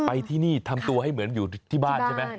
ที่นี่ทำตัวให้เหมือนอยู่ที่บ้านใช่ไหม